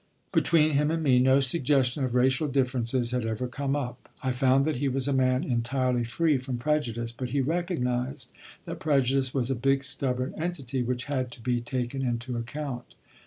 Between him and me no suggestion of racial differences had ever come up. I found that he was a man entirely free from prejudice, but he recognized that prejudice was a big stubborn entity which had to be taken into account.